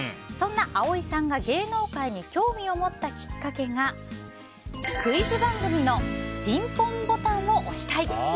そんな葵さんが芸能界に興味を持ったきっかけがクイズ番組のピンポンボタンを押したい。